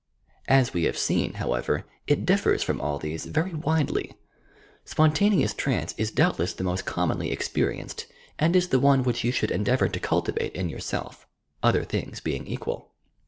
As we have seen, however, it differs from all these very widely. Spontaneoos tranee is doubtless the most com monly eipterieneed and b the one which yon should endeavour to cultivate in yourself, — other things being equal.